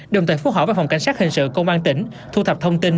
đồng thời phút hỏa vào phòng cảnh sát hình sự công an tỉnh thu thập thông tin